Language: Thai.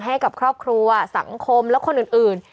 ให้กับครอบครัวสังคมและคนอื่น